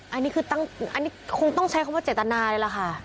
อันนี้คือตั้งอันนี้คงต้องใช้คำว่าเจตนาเลยล่ะค่ะ